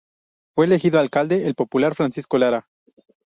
Fue elegido alcalde el "popular" Francisco Lara.